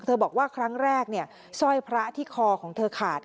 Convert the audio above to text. เธอบอกว่าครั้งแรกซ่อยพระที่คอของเธอขาด